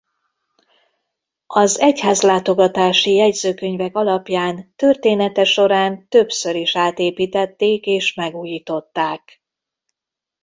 Az egyházlátogatási jegyzőkönyvek alapján története során többször is átépítették és megújították.